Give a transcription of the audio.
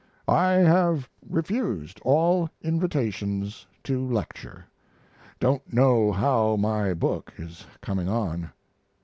I have refused all invitations to lecture. Don't know how my book is coming on.